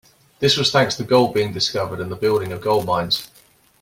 This was thanks to gold being discovered and the building of gold mines.